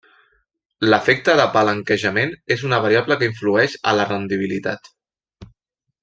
L'efecte del palanquejament és una variable que influeix a la rendibilitat.